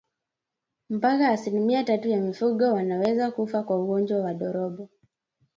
Mpaka asilimia tatu ya mifugo wanaweza kufa kwa ugonjwa wa ndorobo